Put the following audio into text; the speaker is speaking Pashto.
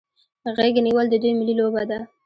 غیږ نیول د دوی ملي لوبه ده.